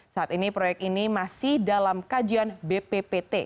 saat ini proyek ini masih dalam kajian bppt